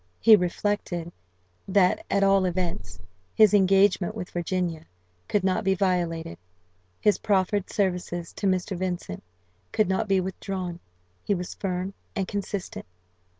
He reflected, that, at all events, his engagement with Virginia could not be violated; his proffered services to Mr. Vincent could not be withdrawn: he was firm and consistent.